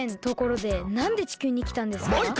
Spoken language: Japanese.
ところでなんで地球にきたんですか？